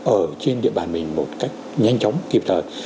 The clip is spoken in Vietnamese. ở trên địa bàn mình một cách nhanh chóng kịp thời